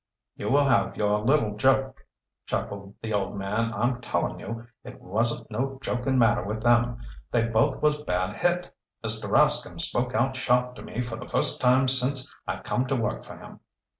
"You will have your little joke," chuckled the old man. "I'm tellin' you it wasn't no joking matter with them. They both was bad hit. Mr. Rascomb spoke out sharp to me for the first time since I come to work for him."